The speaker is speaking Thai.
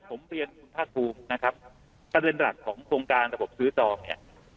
ผมเรียนคุณภาคภูมินะครับประเด็นหลักของโครงการระบบซื้อจองเนี่ย